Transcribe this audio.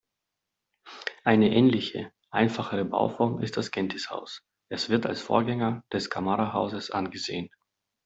Eine ähnliche, einfachere Bauform ist das Kentis-Haus, es wird als Vorgänger des Kamara-Hauses angesehen.